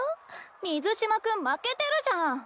水嶋君負けてるじゃん。